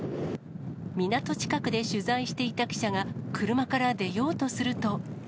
港近くで取材していた記者が車から出ようとすると。